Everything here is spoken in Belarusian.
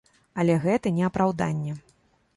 Але гэта не апраўданне.